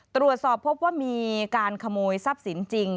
ตรวจสอบพบว่ามีการขโมยทรัพย์สินจริง